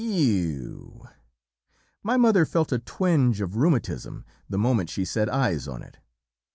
Eugh! my mother felt a twinge of rheumatism the moment she set eyes on it.